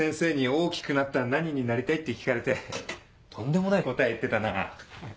「大きくなったら何になりたい？」って聞かれてとんでもない答え言ってたな。